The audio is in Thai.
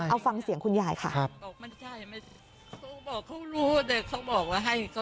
เอาฟังเสียงคุณยายค่ะ